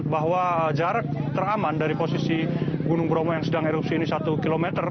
bahwa jarak teraman dari posisi gunung bromo yang sedang erupsi ini satu km